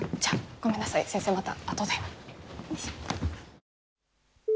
ごめんなさい先生またあとで。